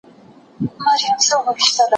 هغې خپل کتابونه د المارۍ په داخل کې کېښودل.